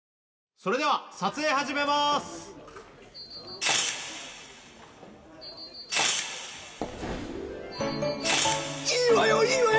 それでは撮影始めまーすいいわよいいわよ！